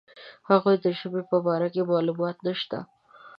د هغه د ژبې په باره کې معلومات نشته.